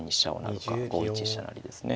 ５一飛車成ですね。